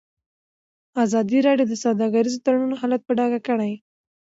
ازادي راډیو د سوداګریز تړونونه حالت په ډاګه کړی.